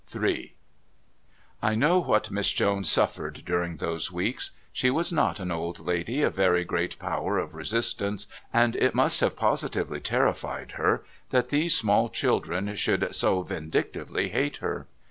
III I know what Miss Jones suffered during those weeks. She was not an old lady of very great power of resistance, and it must have positively terrified her that these small children should so vindictively hate her.